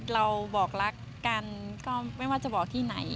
เราบอกรักกันก็ไม่ว่าจะบอกที่ไหน